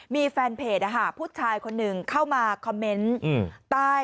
มีแฟนเพจผู้ชายคนหนึ่งเข้ามาคอมเมนต์ใต้